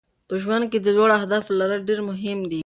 په ژوند کې د لوړو اهدافو لرل ډېر مهم دي.